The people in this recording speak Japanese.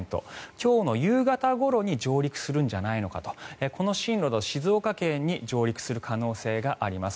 今日の夕方ごろに上陸するんじゃないのかとこの進路だと静岡県に上陸する可能性があります。